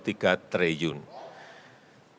sehingga saya mengajak kepada seluruh pemerintah daerah